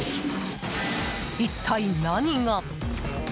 一体、何が？